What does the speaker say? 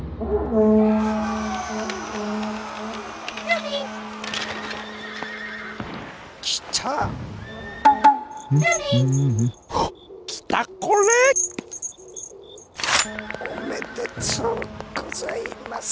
「おめでとうございます！！」。